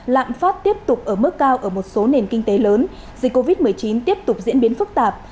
lạm phát tiếp tục ở mức cao ở một số nền kinh tế lớn dịch covid một mươi chín tiếp tục diễn biến phức tạp